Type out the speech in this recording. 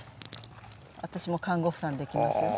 私も看護婦さんできますよ。